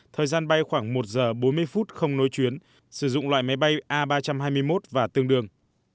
thời gian bay khoảng một giờ bốn mươi phút không nối chuyến sử dụng loại máy bay a ba trăm hai mươi một và tương đương